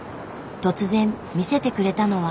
突然見せてくれたのは。